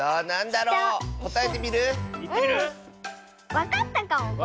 わかったかもこれ。